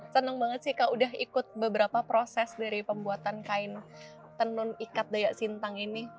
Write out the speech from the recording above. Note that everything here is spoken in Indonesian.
senang sekali kak sudah ikut beberapa proses dari pembuatan kain penun ikat dayak sintang ini